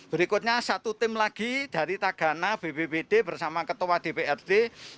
berikutnya satu tim lagi dari tagana bbbd bersama ketua dprd